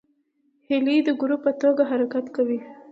هیلۍ د ګروپ په توګه حرکت کوي